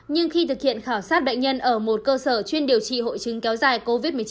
nhưng khi thực hiện khảo sát bệnh nhân ở một cơ sở chuyên điều trị hội chứng kéo dài covid một mươi chín